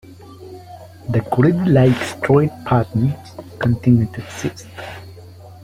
The grid-like street patterns continue to exist.